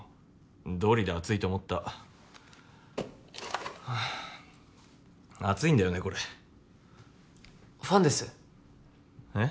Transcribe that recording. どうりで暑いと思った暑いんだよねこれファンですえっ？